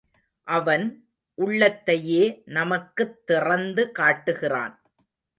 அவன் உள்ளத்தையே நமக்குத் திறந்து காட்டுகிறான்.